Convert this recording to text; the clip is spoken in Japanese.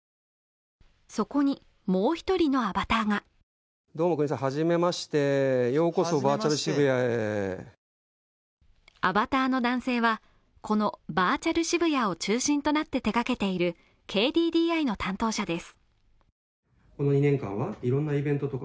そこにもう１人のアバターがアバターの男性は、このバーチャル渋谷を中心となって手がけているＫＤＤＩの担当者です。